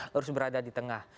harus berada di tengah